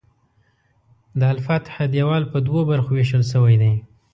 د الفتح دیوال په دوو برخو ویشل شوی دی.